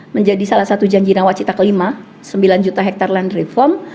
menjadi salah satu janji rawacita kelima sembilan juta hektare land reform